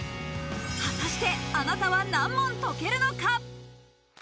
果たして、あなたは何問解けるのか？